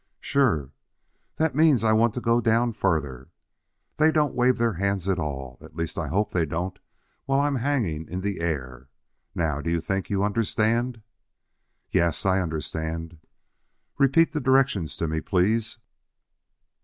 "Sure." "That means I want to go down further. They don't wave their hands at all, at least I hope they don't while I am hanging in the air. Now, do you think you understand?" "Yes, I understand." "Repeat the directions to me then, please."